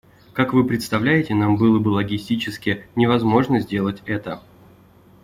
Как вы представляете, нам было бы логистически невозможно сделать это.